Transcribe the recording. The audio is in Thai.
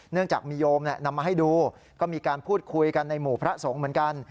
จากมีโยมนำมาให้ดูก็มีการพูดคุยกันในหมู่พระสงฆ์เหมือนกัน